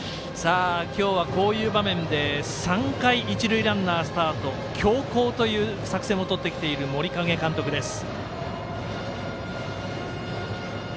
今日はこういう場面で３回一塁ランナースタート強攻という作戦をとってきている森影監督です。